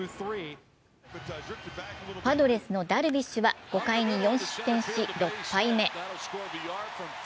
パドレスのダルビッシュは５回に４失点し、６敗目。